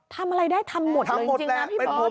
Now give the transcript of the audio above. ทำอะไรได้ทำหมดเลยจริงนะพี่เบิร์ต